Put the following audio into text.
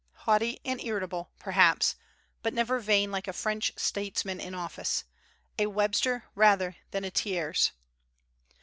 Haughty and irritable, perhaps, but never vain like a French statesman in office, a Webster rather than a Thiers.